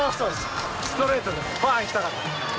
ストレートで、ばんっていきたかった。